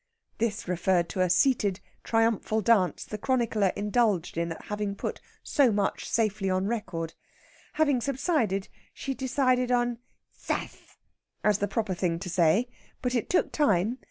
This referred to a seated triumphal dance the chronicler indulged in at having put so much safely on record. Having subsided, she decided on zass as the proper thing to say, but it took time.